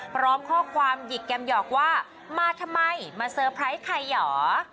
พร้อมข้อความหยิกแกมหยอกว่ามาทำไมมาเตอร์ไพรส์ใครเหรอ